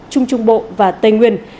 trung trung bộ và tây nguyên